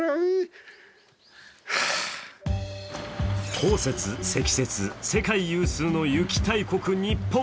降雪・積雪世界一の雪大国、日本。